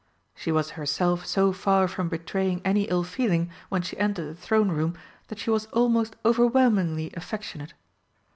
She was herself so far from betraying any ill feeling when she entered the Throne Room that she was almost overwhelmingly affectionate.